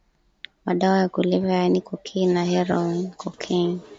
madawa ya kulevya yaani Cocaine na HeroinCocaine